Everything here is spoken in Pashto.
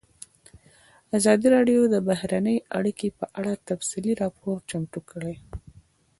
ازادي راډیو د بهرنۍ اړیکې په اړه تفصیلي راپور چمتو کړی.